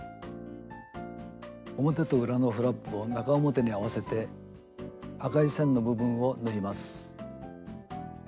表と裏のフラップを中表に合わせて赤い線の部分を縫います。